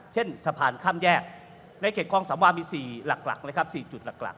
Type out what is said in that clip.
เช่นสะพานข้ามแยกในเกษตรคล่องสามารถมีสี่หลักนะครับสี่จุดหลัก